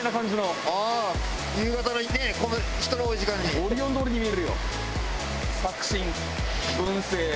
オリオン通りに見えるよ。